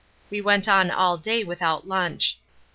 We went on all day without lunch.